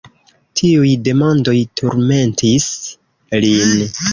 Tiuj demandoj turmentis lin.